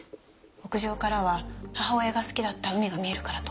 屋上からは母親が好きだった海が見えるからと。